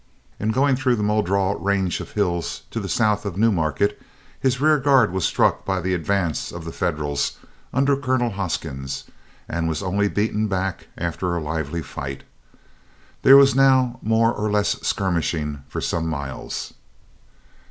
In going through the Muldraugh range of hills to the south of New Market, his rear guard was struck by the advance of the Federals under Colonel Hoskins, and was only beaten back after a lively fight. There was now more or less skirmishing for some miles.